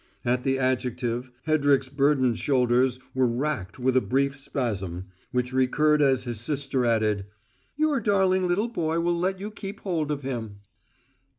At the adjective, Hedrick's burdened shoulders were racked with a brief spasm, which recurred as his sister added: "Your darling little boy will let you keep hold of him."